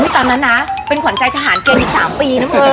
ตอนนั้นนะเป็นขวัญใจทหารเกณฑ์อีก๓ปีนะเธอ